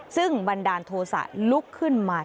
ซึ่งบันดาลโทษะลุกขึ้นมา